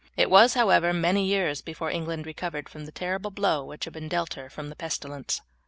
It was, however, many years before England recovered from the terrible blow which had been dealt her from the pestilence.